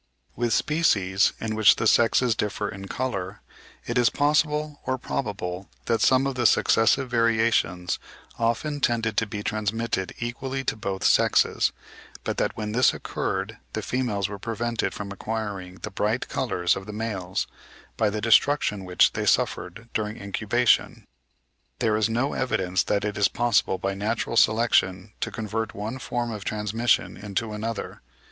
With species, in which the sexes differ in colour, it is possible or probable that some of the successive variations often tended to be transmitted equally to both sexes; but that when this occurred the females were prevented from acquiring the bright colours of the males, by the destruction which they suffered during incubation. There is no evidence that it is possible by natural selection to convert one form of transmission into another.